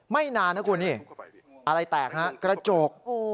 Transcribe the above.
ไม่นานนะคุณนี่อะไรแตกฮะกระจก